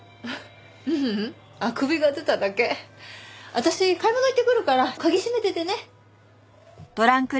私買い物行ってくるから鍵閉めててね。